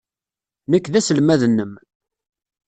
Nekk d aselmad-nnem.